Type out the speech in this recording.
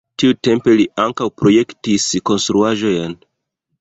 Tiutempe li ankaŭ projektis konstruaĵojn.